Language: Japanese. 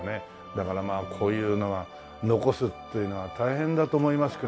だからまあこういうのは残すっていうのは大変だと思いますけどやっぱね。